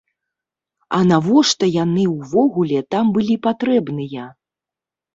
А навошта яны ўвогуле там былі патрэбныя?